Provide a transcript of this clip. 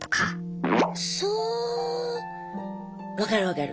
そう分かる分かる。